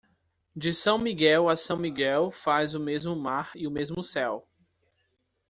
De São Miguel a São Miguel faz o mesmo mar e o mesmo céu.